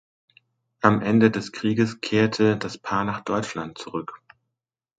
Am Ende des Krieges kehrte das Paar nach Deutschland zurück.